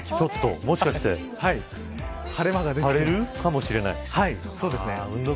もしかして晴れ間が出るかもしれない。